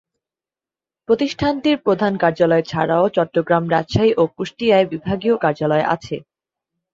প্রতিষ্ঠানটির প্রধান কার্যালয় ছাড়াও চট্টগ্রাম, রাজশাহী ও কুষ্টিয়ায় বিভাগীয় কার্যালয় আছে।